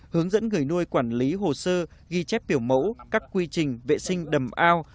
hướng dẫn người nuôi quản lý hồ sơ ghi chép tiểu mẫu các quy trình vệ sinh đầm ao